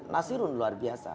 nasirun luar biasa